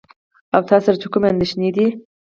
او تاسره چې کومې اندېښنې دي .